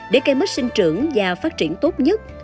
để cây mít sinh trưởng và phát triển tốt nhất